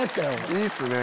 いいっすね。